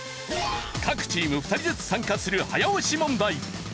各チーム２人ずつ参加する早押し問題。